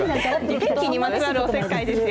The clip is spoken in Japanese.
天気にまつわるおせっかいですよ。